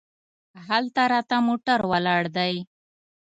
هلته راته موټر ولاړ دی.